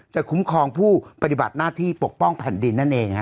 คุ้มครองผู้ปฏิบัติหน้าที่ปกป้องแผ่นดินนั่นเอง